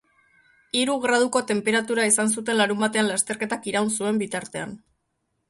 Hiru graduko tenperatua izan zuten larunbatean lasterketak iraun zuen bitartean.